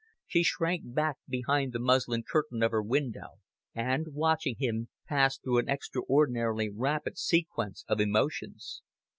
She shrank back behind the muslin curtain of her window, and, watching him, passed through an extraordinarily rapid sequence of emotions.